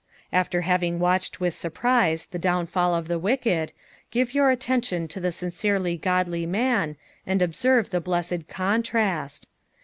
After having watched with surprise the downfall of the wicked, give your attention to the sincerely godly man, and observe the blessed contrast.